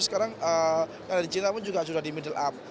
sekarang yang dari cina pun sudah di middle up